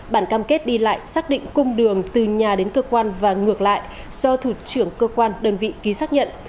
bản cam kết đi lại xác định cung đường từ nhà đến cơ quan và ngược lại do thủ trưởng cơ quan đơn vị ký xác nhận